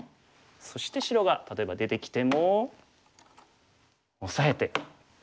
そして白が例えば出てきても押さえて。